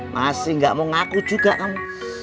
masih ada aku fih masih ada buah